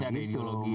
masih ada ideologi